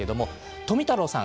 富太郎さん